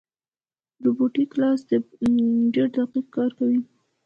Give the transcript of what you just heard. دا روبوټیک لاس ډېر دقیق کار کوي.